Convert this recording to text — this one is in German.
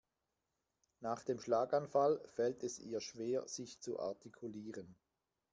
Nach dem Schlaganfall fällt es ihr schwer sich zu artikulieren.